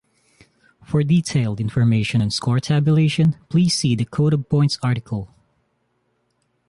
For detailed information on score tabulation, please see the Code of Points article.